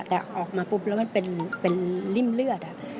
แต่ออกมาปุ๊บแล้วมันเป็นริ่มเลือด